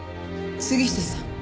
杉下さん